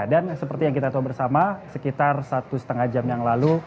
dan seperti yang kita tahu bersama sekitar satu setengah jam yang lalu